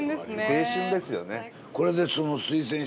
青春ですよね。